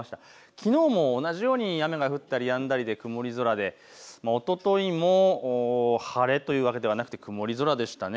きのうも同じように雨が降ったりやんだりで曇り空でおとといも晴れというわけではなくて曇り空でしたね。